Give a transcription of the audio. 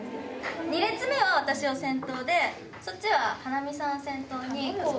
２列目は私が先頭で、そっちは花観さん先頭に。